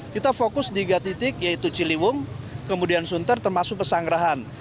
kita fokus di tiga titik yaitu ciliwung kemudian sunter termasuk pesanggerahan